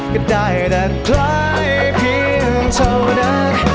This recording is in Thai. ก็ได้แต่ใครเพียงเท่านั้น